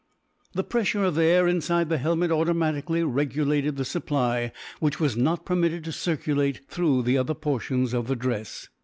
The pressure of air inside the helmet automatically regulated the supply, which was not permitted to circulate through the other portions of the dress.